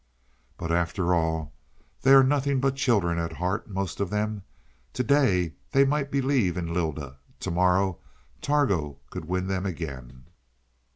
"But after all, they are nothing but children at heart, most of them. To day, they might believe in Lylda; to morrow Targo could win them again."